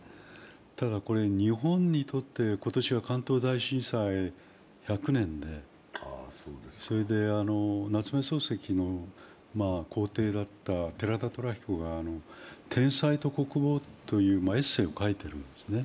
ただ日本にとって今年は関東大震災１００年で、夏目漱石の高弟だった寺田寅彦が「天才と国防」というエッセーを書いているんですね。